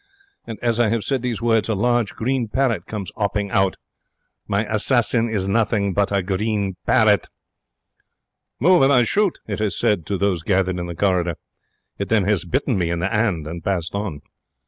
And as I have said these words, a large green parrot comes 'opping out. My assassin is nothing but a green parrot. 'Move and I shoot!' it has said to those gathered in the corridor. It then has bitten me in the 'and and passed on.